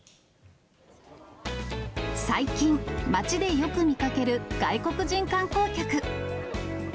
最近、街でよく見かける外国人観光客。